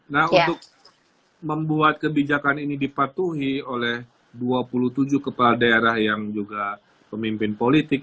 nah untuk membuat kebijakan ini dipatuhi oleh dua puluh tujuh kepala daerah yang juga pemimpin politik